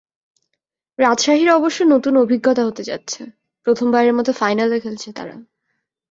রাজশাহীর অবশ্য নতুন অভিজ্ঞতা হতে যাচ্ছে, প্রথমবারের মতো ফাইনালে খেলছে তারা।